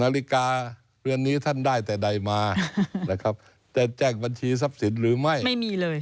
นาฬิกาเรือนนี้ท่านได้ใดมาจะแจ้งบัญชีทรัพธิษฎรูปไหม